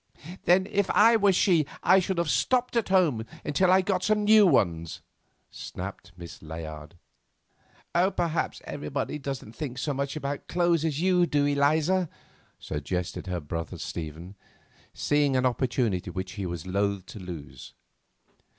"Then if I were she I should have stopped at home until I got some new ones," snapped Miss Layard. "Perhaps everybody doesn't think so much about clothes as you do, Eliza," suggested her brother Stephen, seeing an opportunity which he was loth to lose.